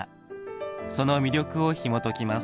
その魅力をひもときます。